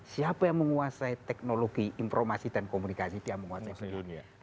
siapa yang menguasai teknologi informasi dan komunikasi dia menguasai sendiri